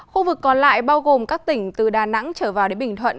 khu vực còn lại bao gồm các tỉnh từ đà nẵng trở vào đến bình thuận